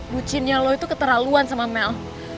bucinnya lu itu keterlaluan sama mel